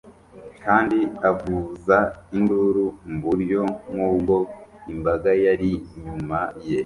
kandi avuza induru mu buryo nk'ubwo imbaga yari inyuma ye